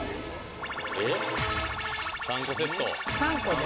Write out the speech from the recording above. えっ３個セット３個で？